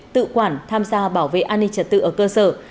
tự quản tham gia bảo vệ an ninh trật tự ở cơ sở